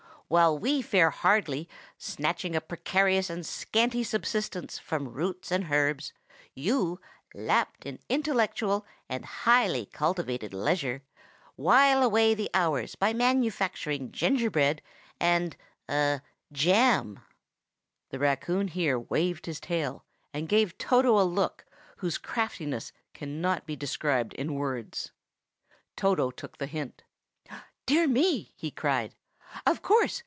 While we fare hardly, snatching a precarious and scanty subsistence from roots and herbs, you, lapped in intellectual and highly cultivated leisure, while away the hours by manufacturing gingerbread and—a—jam." The raccoon here waved his tail, and gave Toto a look whose craftiness cannot be described in words. Toto took the hint. "Dear me!" he cried. "Of course!